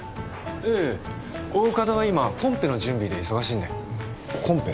ええ大加戸は今コンペの準備で忙しいんでコンペ？